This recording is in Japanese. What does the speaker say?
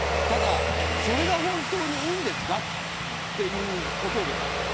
ただ、それが本当にいいんですかっていうことじゃない。